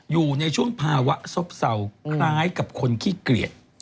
อยู่ในช่วงภาวะซบเศร้าคล้ายกับคนขี้เกลียด